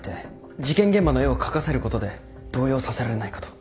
事件現場の絵を描かせることで動揺させられないかと。